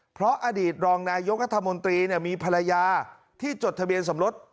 เพราะอดีตรองนายกรัฐมนตรีมีภรรยาที่จดทะเบียนสมรส